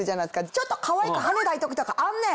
ちょっとかわいくはねたい時とかあんねん。